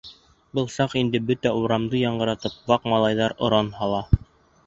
Был саҡ инде бөтә урамды яңғыратып ваҡ малайҙар оран һала: